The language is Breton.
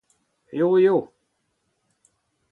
Eo eo !